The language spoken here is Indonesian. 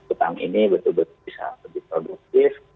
utang ini betul betul bisa lebih produktif